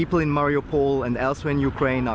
orang di mariupol dan di ukraina juga sedang diangkat